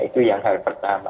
itu yang hal pertama